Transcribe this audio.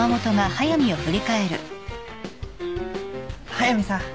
・速見さん